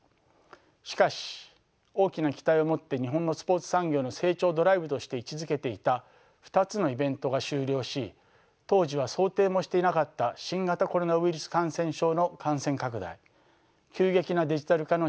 しかし大きな期待を持って日本のスポーツ産業の成長ドライブとして位置づけていた２つのイベントが終了し当時は想定もしていなかった新型コロナウイルス感染症の感染拡大急激なデジタル化の進展